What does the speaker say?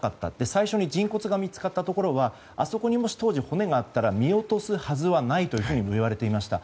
最初に人骨が見つかったところはあそこに当時もし骨があったら見落とすはずはないとも言われていました。